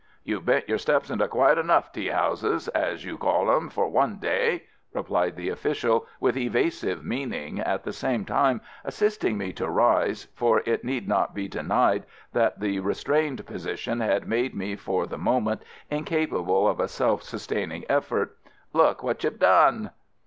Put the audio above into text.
"You've bent your steps into quite enough tea houses, as you call them, for one day," replied the official with evasive meaning, at the same time assisting me to rise (for it need not be denied that the restrained position had made me for the moment incapable of a self sustaining effort). "Look what you've done."